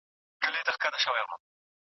د نکاح د ختميدو لومړی سبب مړينه ده.